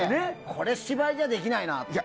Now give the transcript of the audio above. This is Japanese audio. これ、芝居じゃできないなって。